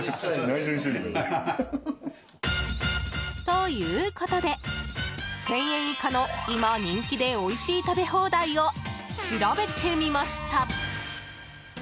ということで１０００円以下の今人気でおいしい食べ放題を調べてみました。